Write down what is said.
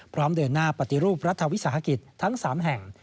เดินหน้าปฏิรูปรัฐวิสาหกิจทั้ง๓แห่ง